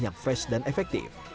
yang fresh dan efektif